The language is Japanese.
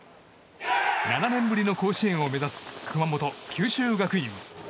７年ぶりの甲子園を目指す熊本・九州学院。